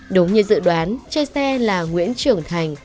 đúng như dự đoán chơi xe là nguyễn trưởng thành